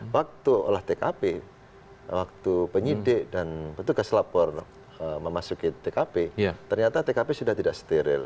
waktu olah tkp waktu penyidik dan petugas lapor memasuki tkp ternyata tkp sudah tidak steril